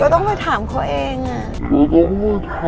ต้องไปถามเขาเองอ่ะ